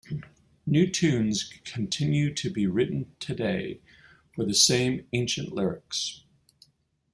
New tunes continue to be written today for the same ancient lyrics.